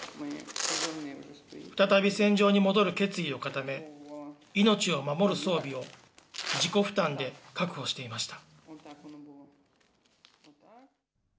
再び戦場に戻る決意を固め、命を守る装備を自己負担で確保していました。